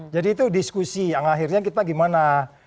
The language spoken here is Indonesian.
jadi itu diskusi yang akhirnya kita gimana